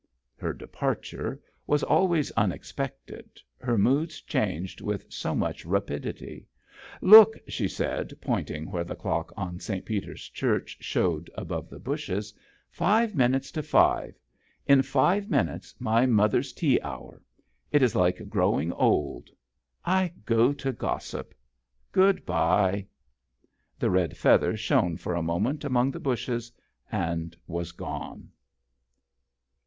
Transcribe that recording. Her departure was always un expected, her moods changed with so much rapidity. " Look !" she said, pointing where the clock on St. Peter's church showed above the bushes. " Five minutes to five. In five minutes my mother's tea hour. It is like growing old. I go to gossip. Good bye." The red feather shone for a moment among the bushes and was gone.